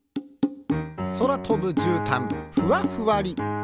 そらとぶじゅうたんふわふわり。